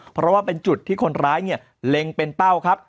เพราะว่าเป็นจุดที่คนร้ายเนี่ยเล็งเป็นเป้าครับ